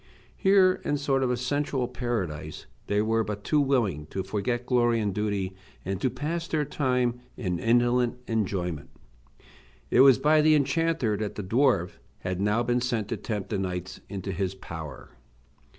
Here, in a sort of sensual paradise, they were but too willing to forget glory and duty, and to pass their time in indolent enjoyment. It was by the enchanter that the dwarf had now been sent to tempt the knights into his power.